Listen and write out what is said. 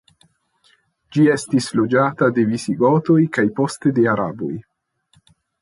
Ĝi estis loĝata de visigotoj kaj poste de araboj.